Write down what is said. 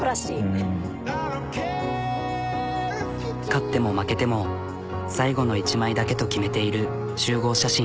勝っても負けても最後の一枚だけと決めている集合写真。